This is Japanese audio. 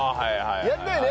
やったよね？